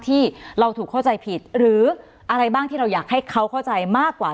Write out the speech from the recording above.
ที่เราถูกเข้าใจผิดหรืออะไรบ้างที่เราอยากให้เขาเข้าใจมากกว่า